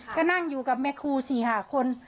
ก็นั่งอยู่กับแม่ครู๔๕คน